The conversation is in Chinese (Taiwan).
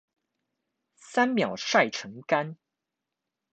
三秒曬成乾